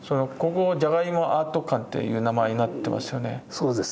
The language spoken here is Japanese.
そうです。